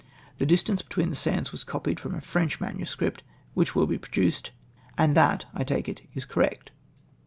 The distance between the sands Avas copied from a French MS. which will be produced, and that / take it is correct.